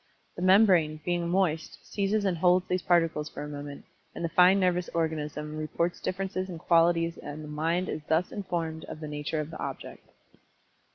The membrane, being moist, seizes and holds these particles for a moment, and the fine nervous organism reports differences and qualities and the Mind is thus informed of the nature of the object.